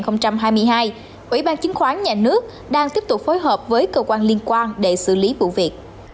năm hai nghìn hai mươi hai ủy ban chứng khoán nhà nước đang tiếp tục phối hợp với cơ quan liên quan để xử lý vụ việc